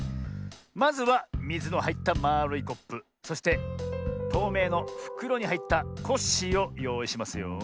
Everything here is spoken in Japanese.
まずはみずのはいったまあるいコップそしてとうめいのふくろにはいったコッシーをよういしますよ。